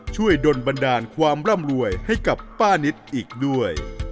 ดนบันดาลความร่ำรวยให้กับป้านิตอีกด้วย